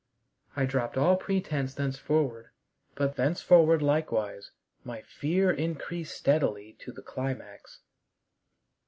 I dropped all pretense thenceforward, but thenceforward likewise my fear increased steadily to the climax.